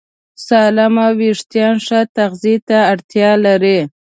سالم وېښتيان ښه تغذیه ته اړتیا لري.